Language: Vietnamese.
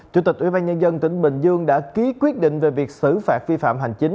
chủ tịch ubnd tỉnh bình dương đã ký quyết định về việc xử phạt vi phạm hành chính